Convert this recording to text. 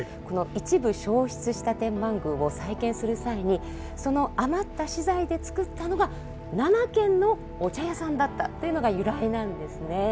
この一部焼失した天満宮を再建する際にその余った資材で作ったのが七軒のお茶屋さんだったというのが由来なんですね。